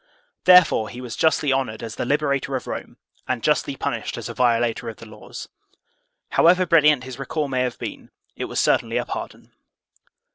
* Therefore he was justly honored as the liberator of Rome and justly punished as a violator of the laws. However brilliant his recall may have been, it was certainly a pardon.